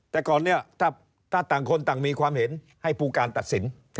แต่ก่อนเนี่ยถ้าต่างคนต่างมีความเห็นให้ผู้การตัดสิน